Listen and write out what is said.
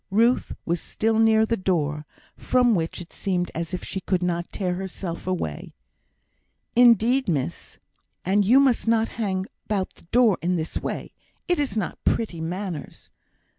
Ruth was still near the door, from which it seemed as if she could not tear herself away. "Indeed, miss, and you must not hang about the door in this way; it is not pretty manners.